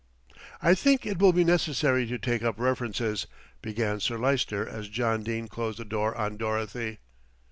"I think it will be necessary to take up references," began Sir Lyster as John Dene closed the door on Dorothy.